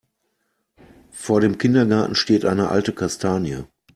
Vor dem Kindergarten steht eine alte Kastanie.